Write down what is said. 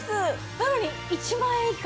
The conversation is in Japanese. なのに１万円以下。